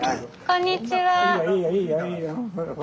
こんにちは。